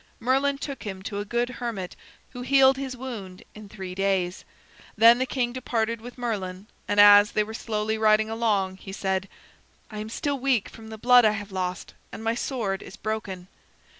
Merlin took him to a good hermit who healed his wound in three days. Then the king departed with Merlin, and as they were slowly riding along he said: "I am still weak from the blood I have lost, and my sword is broken."